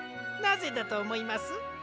なぜだとおもいます？